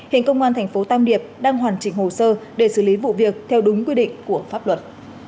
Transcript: hiện công an thành phố tam điệp đang hoàn chỉnh hồ sơ để xử lý vụ việc theo đúng quy định của pháp luật